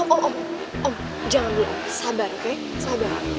om om om om jangan dulu sabar ya sabar